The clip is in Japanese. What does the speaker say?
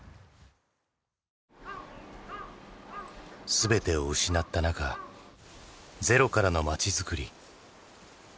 全てを失ったなかゼロからのまちづくり。